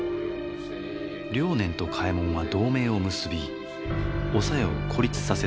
了然と嘉右衛門は同盟を結びお小夜を孤立させた。